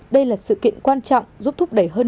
đây là sự kiện quan trọng giúp thúc đẩy hơn